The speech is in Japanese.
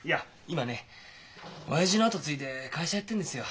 今ね親父の後継いで会社やってんですよ。